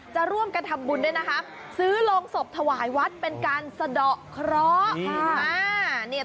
จะร่วมกันทำบุญด้วยนะคะซื้อโรงศพถวายวัดเป็นการสะดอกเคราะห์